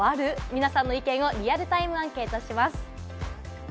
皆さんの意見をリアルタイムアンケートします。